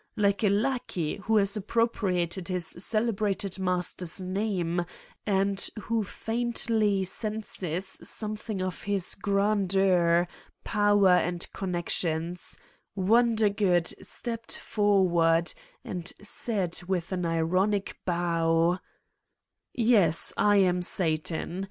Like a lackey who has appropriated his celebrated master's name and who faintly senses something of his grandeur, power and connections Wondergood stepped for ward and said with an ironic bow :" Yes, I am Satan.